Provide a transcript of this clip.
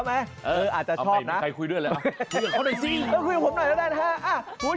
ผมนึกไม่ออกว่าจะต้องอะไรเฉยว่าเดี๋ยวผมจะนอนน้อย